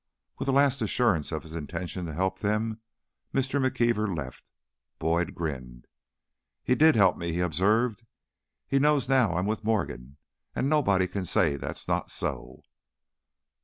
With a last assurance of his intention to help them, Mr. McKeever left. Boyd grinned. "He did help me," he observed. "He knows now I'm with Morgan, and nobody can say that's not so!"